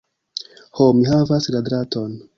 Ho, mi havas la draton!